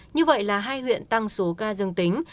như vậy là hai huyện tăng số ca dương tính